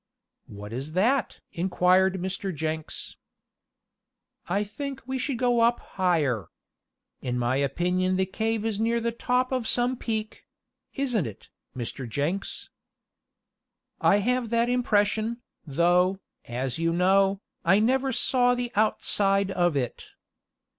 "What is that?" inquired Mr. Jenks. "I think we should go up higher. In my opinion the cave is near the top of some peak; isn't it, Mr. Jenks?" "I have that impression, though, as you know, I never saw the outside of it.